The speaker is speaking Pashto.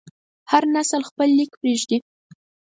هر نسل خپل لیک پرېږدي.